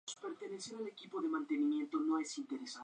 La boquilla de chorro se fija con un cono interior.